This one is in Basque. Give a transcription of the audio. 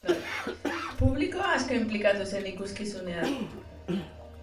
Publikoa asko inplikatu zen ikuskizunean.